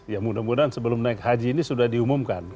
ya mudah mudahan sebelum naik haji ini sudah diumumkan